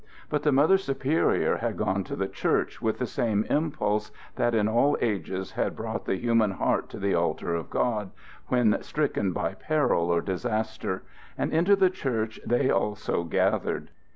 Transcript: But the Mother Superior had gone to the church with the same impulse that in all ages has brought the human heart to the altar of God when stricken by peril or disaster; and into the church they also gathered.